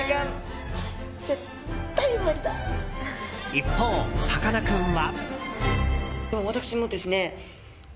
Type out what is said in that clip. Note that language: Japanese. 一方、さかなクンは。